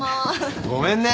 ごめんね。